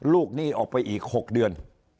หนี้ออกไปอีก๖เดือน